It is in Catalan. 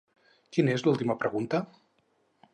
Quina és l'última pregunta?